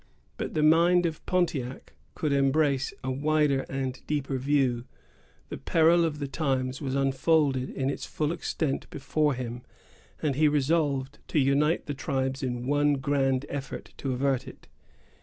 But the mind of Pontiac could embrace a wider and deeper view. The peril of the times was unfolded in its full extent before him, and he resolved to unite the tribes in one grand effort to avert it.